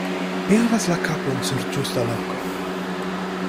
Li havas la kapon sur ĝusta loko.